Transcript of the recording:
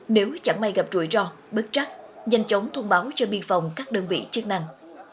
nếu chẳng may gặp rủi ro bớt chắc nhanh chóng thông báo cho biên phòng các đơn vị chức năng